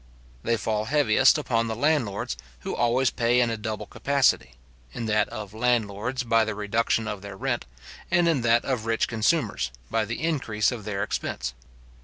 They fall heaviest upon the landlords, who always pay in a double capacity; in that of landlords, by the reduction, of their rent; and in that of rich consumers, by the increase of their expense.